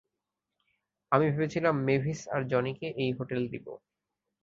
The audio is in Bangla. আমি ভেবেছিলাম মেভিস আর জনিকে এই হোটেল দিবো।